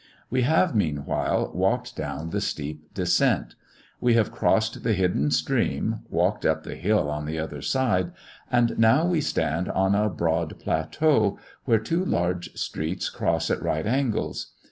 We have, meanwhile, walked down the steep descent. We have crossed the hidden stream, walked up the hill on the other side, and now we stand on a broad plateau, where two large streets cross at right angles.